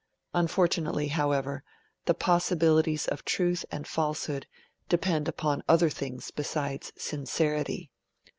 Unfortunately, however, the possibilities of truth and falsehood depend upon other things besides sincerity.